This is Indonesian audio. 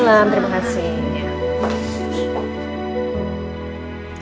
selamat malam terima kasih